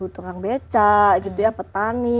tukang beca gitu ya petani